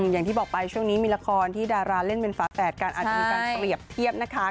อย่างที่บอกไปช่วงนี้มีละครที่ดาราเล่นเป็นฝาแฝดกันอาจจะมีการเปรียบเทียบนะคะ